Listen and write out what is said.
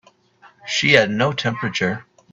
She had no temperature.